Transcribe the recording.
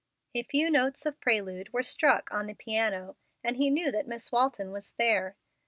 A few notes of prelude were struck on the piano, and he knew that Miss Walton was there.